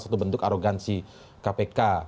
satu bentuk arogansi kpk